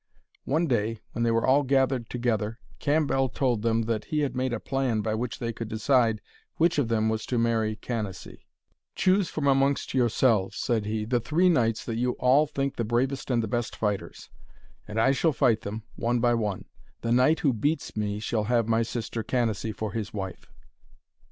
One day, when they were all gathered together, Cambell told them that he had made a plan by which they could decide which of them was to marry Canacee. [Illustration: She asked the Fates to let her sons have long, long lives (page 80)] 'Choose from amongst yourselves,' said he, 'the three knights that you all think the bravest and the best fighters, and I shall fight them, one by one. The knight who beats me shall have my sister Canacee for his wife.'